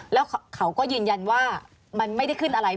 แล้วเขาก็ยืนยันว่ามันไม่ได้ขึ้นอะไร